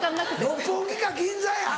六本木か銀座や！